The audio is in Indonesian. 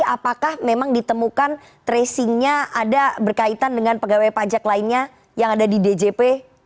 apakah memang ditemukan tracingnya ada berkaitan dengan pegawai pajak lainnya yang ada di djp